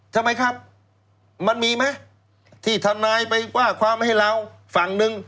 ทำไมครับมันมีไหมที่ทนายไปว่าความให้เราฝั่งหนึ่ง